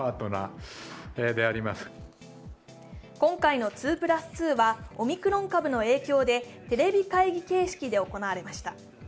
今回の２＋２はオミクロン株の影響でテレビ会議形式で行われました。